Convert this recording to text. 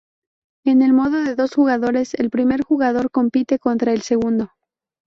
En el modo de dos jugadores, el primer jugador compite contra el segundo.